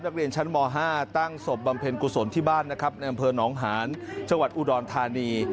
นักเรียนชั้นม๕ตั้งศพบำเพ็ญกุศลที่บ้านนะครับในอำเภอหนองหานจังหวัดอุดรธานี